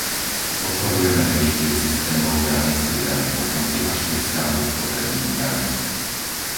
Podporujeme revíziu systémov dane z pridanej hodnoty a špeciálnych spotrebných daní.